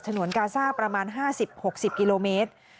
นวนกาซ่าประมาณ๕๐๖๐กิโลเมตร